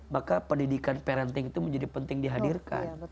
maka pendidikan parenting itu menjadi penting dihadirkan